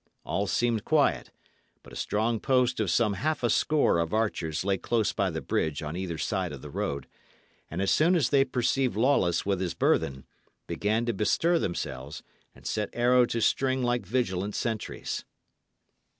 All seemed quiet, but a strong post of some half a score of archers lay close by the bridge on either side of the road, and, as soon as they perceived Lawless with his burthen, began to bestir themselves and set arrow to string like vigilant sentries.